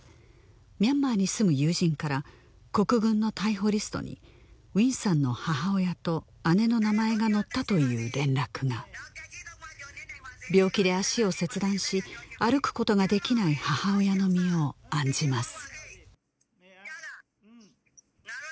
ミャンマーに住む友人から国軍の逮捕リストにウィンさんの母親と姉の名前が載ったという連絡が病気で足を切断し歩くことができない母親の身を案じます